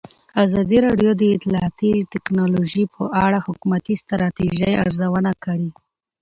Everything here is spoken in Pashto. ازادي راډیو د اطلاعاتی تکنالوژي په اړه د حکومتي ستراتیژۍ ارزونه کړې.